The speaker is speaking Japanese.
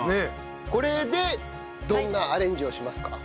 これでどんなアレンジをしますか？